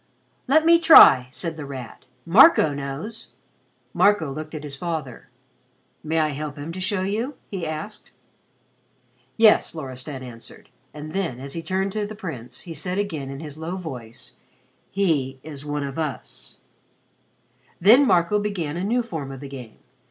"Let me try," said The Rat. "Marco knows." Marco looked at his father. "May I help him to show you?" he asked. "Yes," Loristan answered, and then, as he turned to the Prince, he said again in his low voice: "he is one of us." Then Marco began a new form of the game.